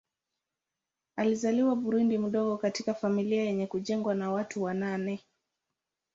Alizaliwa Burundi mdogo katika familia yenye kujengwa na watu wa nane.